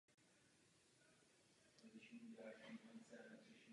Proto musíme ustanovit regulační rámec podporující zároveň inovace a udržitelnost.